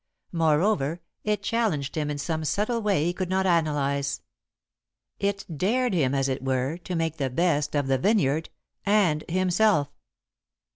Moreover, it challenged him in some subtle way he could not analyse. It dared him, as it were, to make the best of the vineyard and himself.